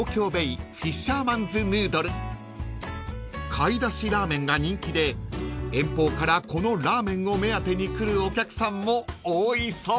［貝だしラーメンが人気で遠方からこのラーメンを目当てに来るお客さんも多いそう］